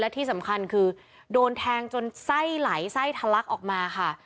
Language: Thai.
ที่สำคัญคือโดนแทงจนไส้ไหลไส้ทะลักออกมาค่ะ